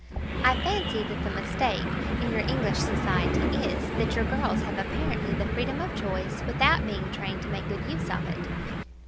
I fancy that the mistake in your English society is, that your girls have apparently the freedom of choice without being trained to make good use of it.